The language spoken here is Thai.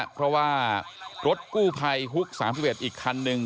เพราะว่ารถกู้ภัยฮุก๓๑อีกคันหนึ่ง